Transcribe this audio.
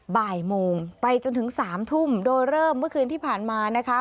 บ่ายโมงไปจนถึงสามทุ่มโดยเริ่มเมื่อคืนที่ผ่านมานะคะ